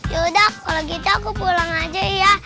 yaudah kalau gitu aku pulang aja ya